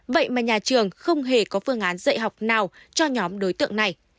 vậy mà nhà trường không hề có phương án dạy học nào cho nhóm đối tượng này